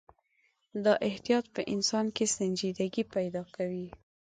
دا احتیاط په انسان کې سنجیدګي پیدا کوي.